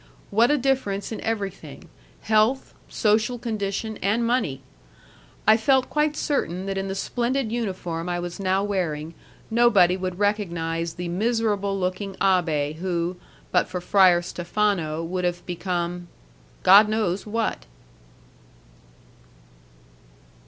What a difference in everything health, social condition, and money! I felt quite certain that in the splendid uniform I was now wearing nobody would recognize the miserable looking abbé who, but for Friar Stephano, would have become God knows what!